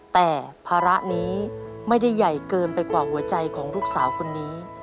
แต่ภาระนี้ไม่ได้ใหญ่เกินไปกว่าหัวใจของลูกสาวคนนี้